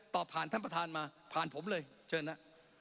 ผ่านท่านประธานมาผ่านผมเลยเชิญนะ